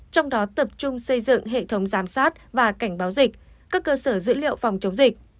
trong đó tập trung xây dựng hệ thống giám sát và cảnh báo dịch các cơ sở dữ liệu phòng chống dịch